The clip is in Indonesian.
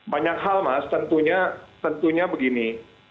banyak hal mas tentunya tentunya begini